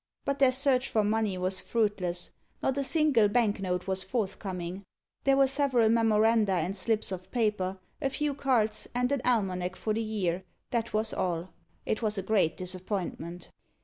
But their search for money was fruitless. Not a single bank note was forthcoming. There were several memoranda and slips of paper, a few cards, and an almanac for the year that was all. It was a great disappointment.